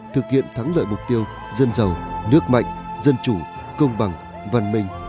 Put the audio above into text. thực hiện thắng lợi mục tiêu dân giàu nước mạnh dân chủ công bằng văn minh